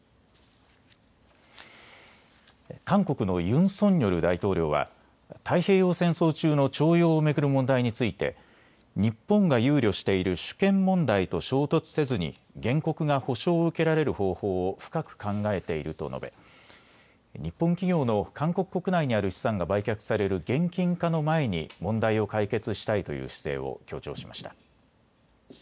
韓国のユン・ソンニョル大統領は太平洋戦争中の徴用を巡る問題について日本が憂慮している主権問題と衝突せずに原告が補償を受けられる方法を深く考えていると述べ日本企業の韓国国内にある資産が売却される現金化の前に問題を解決したいという姿勢を強調しました。